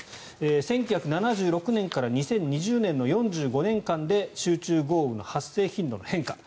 １９７６年から２０２０年の４５年間で集中豪雨の発生頻度の変化。